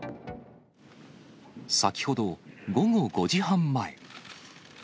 先ほど午後５時半前。